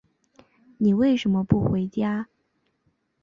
你为什么不回家？